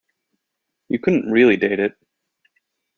You couldn't really date it.